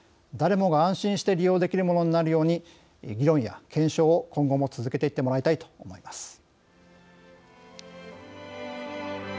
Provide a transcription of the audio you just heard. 誰もが、安心して利用できるものになるように議論や検証を今後も続けていってもらいたいと思います。